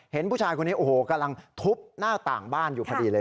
เห็นผู้ชายคนนี้โอ้โหกำลังทุบหน้าต่างบ้านอยู่พอดีเลย